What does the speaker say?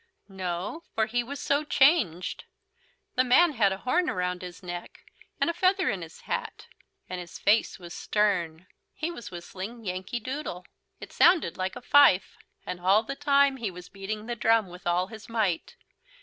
No, for he was so changed. The man had a horn around his neck, and a feather in his hat, and his face was stern. He was whistling "Yankee Doodle." It sounded like a fife, and all the time he was beating the drum with all his might.